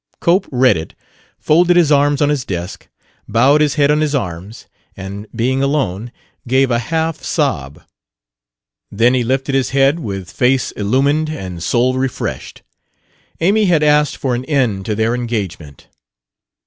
Cope read it, folded his arms on his desk, bowed his head on his arms, and, being alone, gave a half sob. Then he lifted his head, with face illumined and soul refreshed. Amy had asked for an end to their engagement.